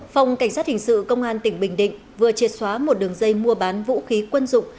phòng cảnh sát hình sự công an tỉnh bình định vừa triệt xóa một đường dây mua bán vũ khí quân dụng